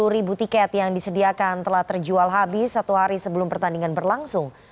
sepuluh ribu tiket yang disediakan telah terjual habis satu hari sebelum pertandingan berlangsung